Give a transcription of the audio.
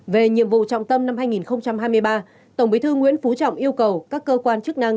về nhiệm vụ trọng tâm năm hai nghìn hai mươi ba tổng bí thư nguyễn phú trọng yêu cầu các cơ quan chức năng